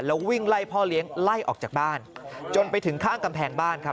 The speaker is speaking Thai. แล้ววิ่งไล่พ่อเลี้ยงไล่ออกจากบ้านจนไปถึงข้างกำแพงบ้านครับ